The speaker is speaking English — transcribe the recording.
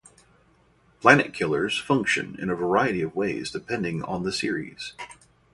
Planet killers function in a variety of ways depending on the series.